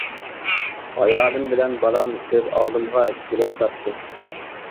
ئايالىم بىلەن بالام كۆز ئالدىمغا كېلىۋاتاتتى.